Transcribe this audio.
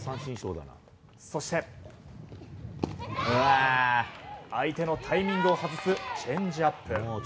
そして、相手のタイミングを外すチェンジアップ。